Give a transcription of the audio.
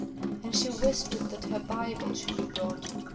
And she whispered that her Bible should be brought.